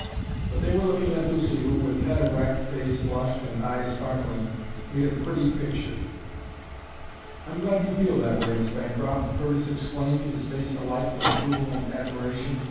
But they were looking at Lucy who, with head erect, face flushed, and eyes sparkling, made a pretty picture. "I'm glad you feel that way, Miss Bancroft," Curtis exclaimed, his face alight with approval and admiration.